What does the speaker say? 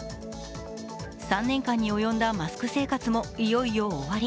３年間に及んだマスク生活も、いよいよ終わり。